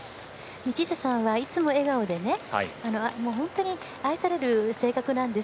道下さんはいつも笑顔で本当に愛される性格なんです。